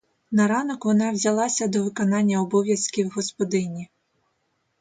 На ранок вона взялася до виконання обов'язків господині.